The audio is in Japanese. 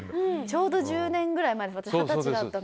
ちょうど１０年ぐらい前ですね。